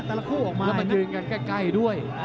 แต่ละคู่ออกมาแล้วมันยืนกันใกล้ด้วย